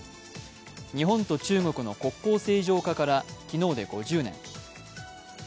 日本と中国の国交正常化から昨日で５０年。